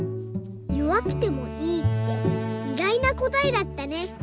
「よわくてもいい」っていがいなこたえだったね。